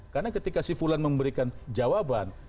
karena ketika si fulan memberikan jawaban